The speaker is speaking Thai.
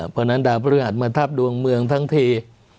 เพราะฉะนั้นดาวพฤหัสมาทับดวงเมืองทั้งที